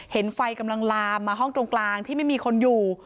เห็นไฟกำลังลามมาห้องตรงกลางที่ไม่มีคนอยู่